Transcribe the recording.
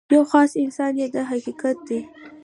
یو خاص انسان یې دا حقیقت دی.